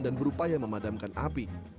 dan berupaya memadamkan api